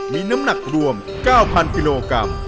มีน้ำหนักรวม๙๐๐กิโลกรัม